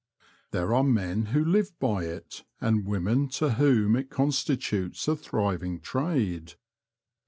There are men who live by it and women to whom it constitutes a thriving trade.